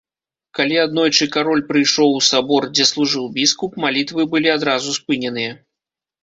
Калі аднойчы кароль прыйшоў у сабор, дзе служыў біскуп, малітвы былі адразу спыненыя.